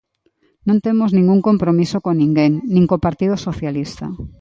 Non temos ningún compromiso con ninguén, nin co Partido Socialista.